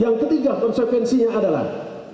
yang ketiga konsekuensinya adalah